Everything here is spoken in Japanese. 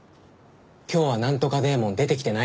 今日はなんとかデーモン出てきてない？